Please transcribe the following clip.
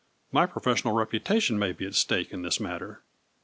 My professional reputation may be at stake in this matter."